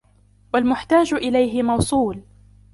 وَالْمُحْتَاجَ إلَيْهِ مَوْصُولٌ